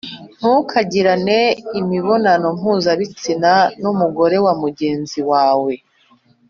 Ntukagirane imibonano mpuzabitsina n’umugore wa mugenzi wawe